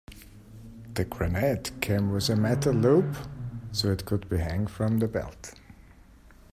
The grenade came with a metal loop so it could hang from the belt.